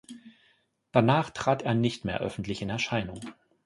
Danach trat er nicht mehr öffentlich in Erscheinung.